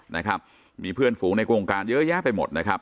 นะครับมีเพื่อนฝูงในโครงการเยอะแยะไปหมดนะครับ